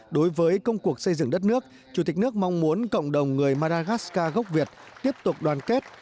đối với công cuộc xây dựng đất nước chủ tịch nước mong muốn cộng đồng người maragascar gốc việt tiếp tục đoàn kết